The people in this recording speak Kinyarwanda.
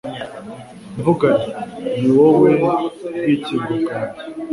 mvuga nti «Ni wowe bwikingo bwanjye